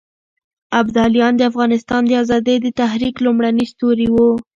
ابداليان د افغانستان د ازادۍ د تحريک لومړني ستوري وو.